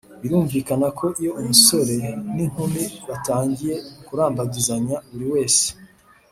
Birumvikana ko iyo umusore n inkumi batangiye kurambagizanya buri wese